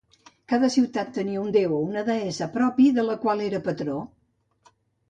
Cada ciutat tenia un déu o deessa propi, de la qual era patró.